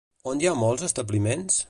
On hi ha molts establiments?